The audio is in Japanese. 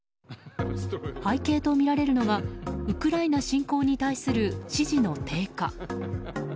背景とみられるのがウクライナ侵攻に対する支持の低下。